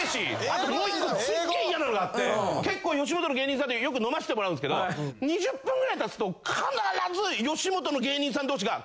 あともう１個すっげぇ嫌なのがあって結構吉本の芸人さんとよく飲ましてもらうんですけど２０分ぐらい経つと必ず吉本の芸人さん同士が。